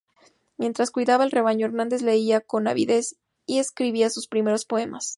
Mientras cuidaba el rebaño, Hernández leía con avidez y escribía sus primeros poemas.